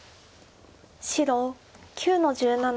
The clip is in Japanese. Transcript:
白９の十七。